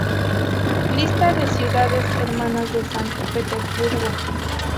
Lista de ciudades hermanas de San Petersburgo.